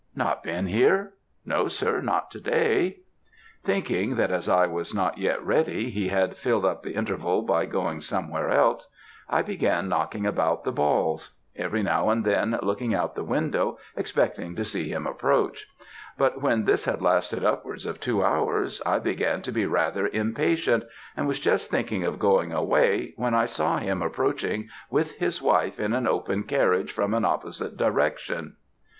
"'Not been here?' "'No, sir, not to day.' "Thinking, that as I was not ready, he had filled up the interval by going somewhere else, I began knocking about the balls; every now and then looking out of the window, expecting to see him approach; but when this had lasted upwards of two hours, I began to be rather impatient, and was just thinking of going away, when I saw him approaching with his wife in an open carriage from an opposite direction.